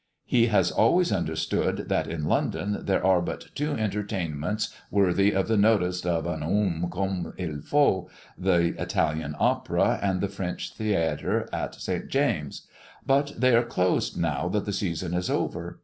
He has always understood that in London there are but two entertainments worthy of the notice of un homme comme il faut: the Italian opera and the French theatre at St. James's. But they are closed now that the season is over.